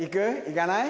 いかない？